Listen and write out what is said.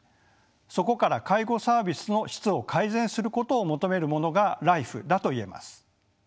そこから介護サービスの質を改善することを求めるものがＬＩＦＥだと言えます。